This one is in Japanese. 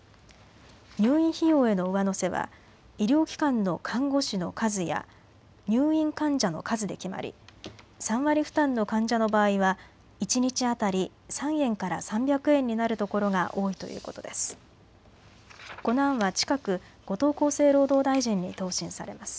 入院費用への上乗せは医療機関の看護師の数や入院患者の数で決まり３割負担の患者の場合は一日当たり３円から３００円になるところが多いということです。